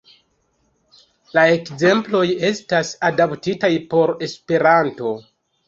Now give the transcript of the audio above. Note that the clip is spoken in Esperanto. La ekzemploj estas adaptitaj por Esperanto.